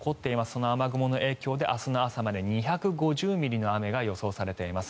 その雨雲の影響で明日の朝まで２５０ミリの雨が予想されています。